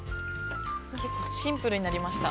シンプルになりました。